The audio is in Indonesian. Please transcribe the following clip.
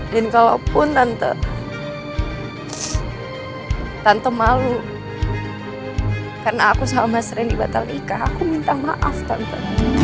dan kalaupun tante malu karena aku sama srendy batal nikah aku minta maaf tante